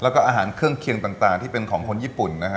แล้วก็อาหารเครื่องเคียงต่างที่เป็นของคนญี่ปุ่นนะฮะ